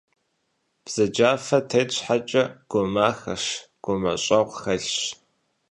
Бзаджафэ тет щхьэкӏэ, гумахэщ, гущӏэгъу хьэлъщ.